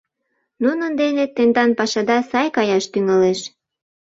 Нунын дене тендан пашада сай каяш тӱҥалеш.